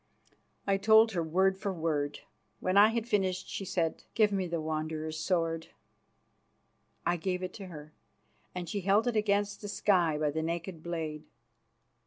I told her word for word. When I had finished she said, "Give me the Wanderer's sword." I gave it to her, and she held it against the sky by the naked blade.